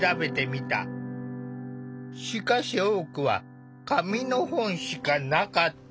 しかし多くは紙の本しかなかった。